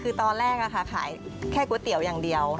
คือตอนแรกขายแค่ก๋วยเตี๋ยวอย่างเดียว